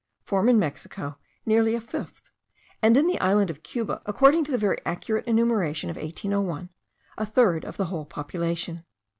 form in Mexico nearly a fifth, and in the island of Cuba, according to the very accurate enumeration of 1801, a third of the whole population.